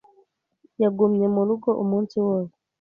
Yagumye mu rugo umunsi wose.